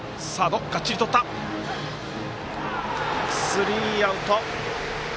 スリーアウト。